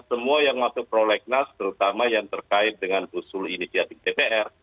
semua yang masuk prolegnas terutama yang terkait dengan usul inisiatif dpr